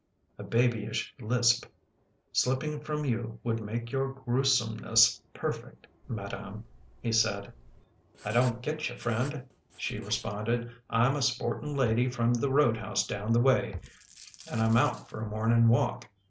" A babyish lisp slipping from you would make your grewsomeness perfect, madame," he said. " I don't getcha, friend," she responded. " I'm a sporting lady from the roadhouse down the way an' I'm out for a morning walk.